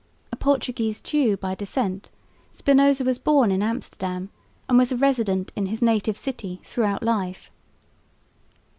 A Portuguese Jew by descent, Spinoza was born in Amsterdam and was a resident in his native city throughout life.